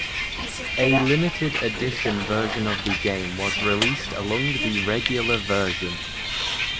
A limited edition version of the game was released along with the regular version.